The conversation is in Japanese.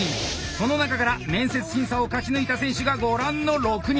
その中から面接審査を勝ち抜いた選手がご覧の６人。